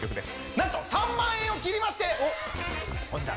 なんと３万円を切りましてお値段。